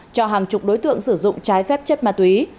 cho hàng chục đối tượng sử dụng trái phép chất ma túy